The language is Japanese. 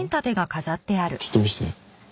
ちょっと見せて。